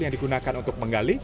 yang digunakan untuk menggali